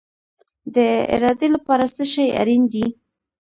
د ارادې لپاره څه شی اړین دی؟